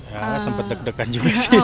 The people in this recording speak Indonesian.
ya sempat deg degan juga sih